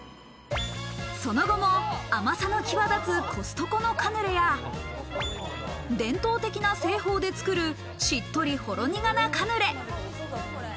その後も甘さの際立つコストコのカヌレや伝統的な製法で作る、しっとりほろにがなカヌレ。